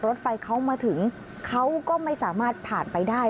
รถไฟเขามาถึงเขาก็ไม่สามารถผ่านไปได้